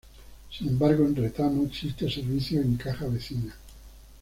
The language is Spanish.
Sin embargo, en Retamo existe servicio de Caja Vecina.